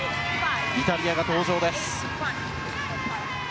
イタリアが登場です。